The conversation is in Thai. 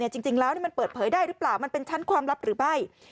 จริงแล้วมันเปิดเผยได้หรือเปล่ามันเป็นชั้นความลับหรือไม่